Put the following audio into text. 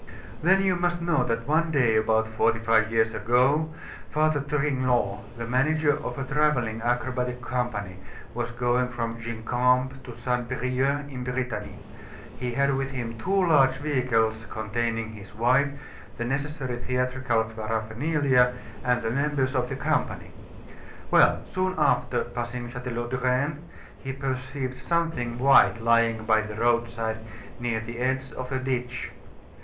"Then you must know that one day about forty five years ago, Father Tringlot, the manager of a traveling acrobatic company, was going from Guingamp to Saint Brieuc, in Brittany. He had with him two large vehicles containing his wife, the necessary theatrical paraphernalia, and the members of the company. Well, soon after passing Chatelaudren, he perceived something white lying by the roadside, near the edge of a ditch.